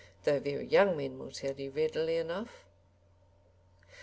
Though very young men will tell you readily enough.